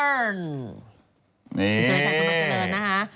นี่พุทธสุรชายสมัครเจริญนะฮะ